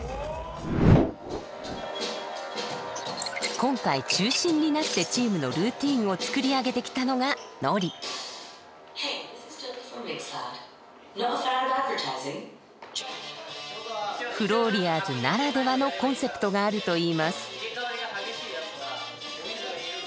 今回中心になってチームのルーティーンを作り上げてきたのがフローリアーズならではのコンセプトがあるといいます。